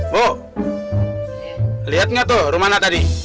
bu liat gak tuh rumana tadi